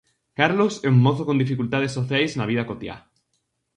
Carlos é un mozo con dificultades sociais na vida cotiá.